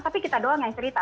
tapi kita doang yang cerita